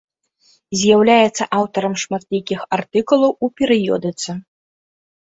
З'яўляецца аўтарам шматлікіх артыкулаў у перыёдыцы.